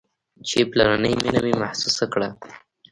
چې پلرنۍ مينه مې محسوسه کړه.